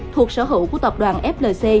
thuộc sở hữu của tập đoàn flc